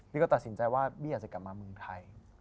บีกก็ประสิทธิ์ว่าบีกจะกลับมาเมืองไทย